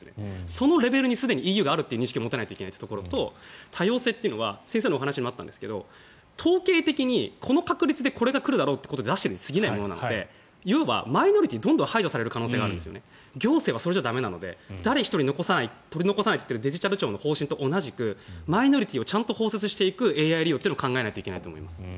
そのレベルにすでにＥＵがあるという認識を持たないといけないというと多様性というのは統計的にこの確率でこれが出てくるだろうと出しているに過ぎないのでいわばマイノリティーはどんどん排除される可能性があって行政はそれじゃ駄目なので誰一人の取り残さないと言っているデジタル庁の方針と同じくマイノリティーをちゃんと包摂していくＡＩ利用を考えないといけないです。